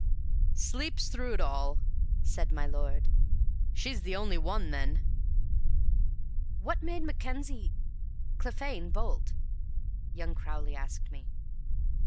"Sleeps through it all," said my lord. "She's the only one, then!" "What made Mackenzie Clephane bolt?" young Crowley asked me.